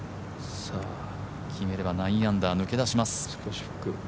決めれば９アンダー、抜け出します。